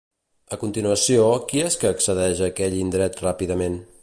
A continuació, qui és que accedeix a aquell indret ràpidament?